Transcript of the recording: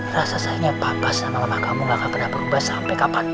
rasa sayangnya papa sama mama kamu gak akan pernah berubah sampai kapan